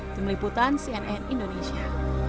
temeliputan cnn indonesia